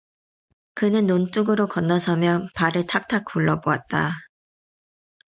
그는 논둑으로 건너 서며 발을 탁탁 굴러 보았다.